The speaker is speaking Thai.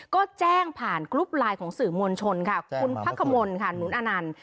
ก็แจ้งผ่านกรุ๊ปไลน์ของสื่อมวลชนค่ะคุณพักขมลค่ะหนุนอนันต์